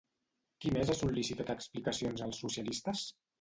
Qui més ha sol·licitat explicacions als socialistes?